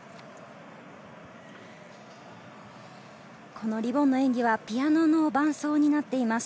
このリボンの演技はピアノの伴奏になっています。